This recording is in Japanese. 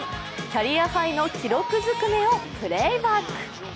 キャリアハイの記録ずくめをプレイバック。